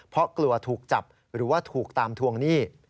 เพราะกลัวถูกจับหรือว่าถูกตามทวงหนี้